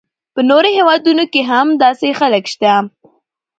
په نورو هیوادونو کې هم داسې خلک شته.